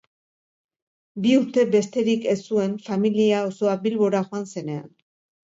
Bi urte besterik ez zuen familia osoa Bilbora joan zenean.